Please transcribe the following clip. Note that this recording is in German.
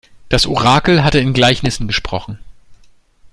Das Orakel hatte in Gleichnissen gesprochen.